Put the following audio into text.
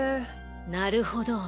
なるほど。